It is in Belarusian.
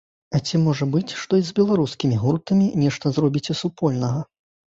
А ці можа быць, што і з беларускімі гуртамі нешта зробіце супольнага?